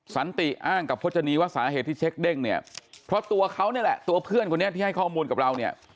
สันติอ้างกับพจนีว่าสาเหตุที่เช็คเด้งเนี่ยเพราะตัวเขานี่แหละตัวเพื่อนคนนี้ที่ให้ข้อมูลกับเราเนี่ย